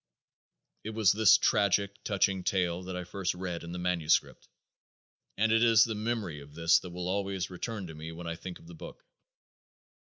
It was this tragic, touching tale that I first read in the manuscript; and it is the memory of this that will always return to me when I think of the book.